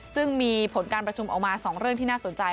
ซึ่งมีผลการประชุมออกมา๒เรื่องที่น่าสนใจ